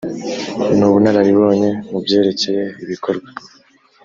n ubunararibonye mu byerekeye ibikorwa